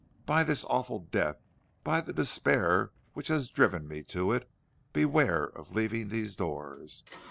By this awful death, by the despair which has driven me to it, beware of leaving these doors.